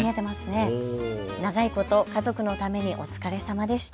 長いこと家族のためにお疲れさまでした。